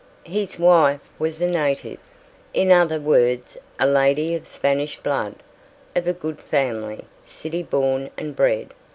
His wife was a native; in other words, a lady of Spanish blood, of a good family, city born and bred.